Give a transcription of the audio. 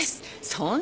そんな。